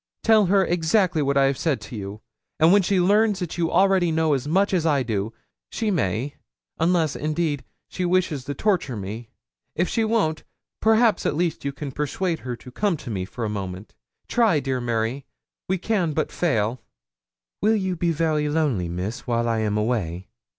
'Tell her exactly what I have said to you, and when she learns that you already know as much as I do, she may unless, indeed, she wishes to torture me. If she won't, perhaps at least you can persuade her to come to me for a moment. Try, dear Mary; we can but fail.' 'Will you be very lonely, Miss, while I am away?'